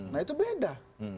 nah itu beda